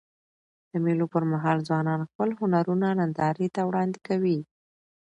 د مېلو پر مهال ځوانان خپل هنرونه نندارې ته وړاندي کوي.